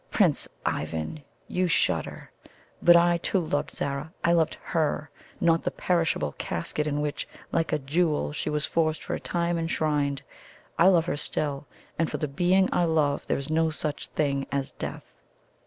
Prince Ivan, you shudder; but I too loved Zara I loved HER, not the perishable casket in which, like a jewel, she was for a time enshrined. I love her still and for the being I love there is no such thing as death."